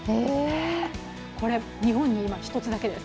これ、日本に今、一つだけです。